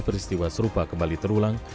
peristiwa serupa kembali terulang